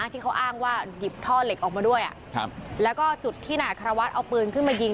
ที่เขาอ้างว่าหยิบท่อเหล็กออกมาด้วยแล้วก็จุดที่นายอัครวัฒน์เอาปืนขึ้นมายิง